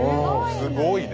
すごいね。